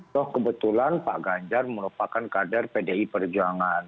toh kebetulan pak ganjar merupakan kader pdi perjuangan